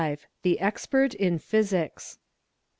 —The Expert in Physics.